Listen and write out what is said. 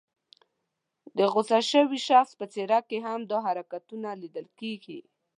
د غوسه شوي شخص په څېره کې هم دا حرکتونه لیدل کېږي.